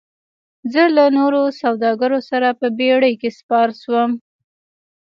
زه له نورو سوداګرو سره په بیړۍ کې سپار شوم.